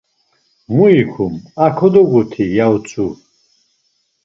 Mu ikum, a kodoguti, ya utzu.